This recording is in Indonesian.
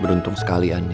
beruntung sekali andi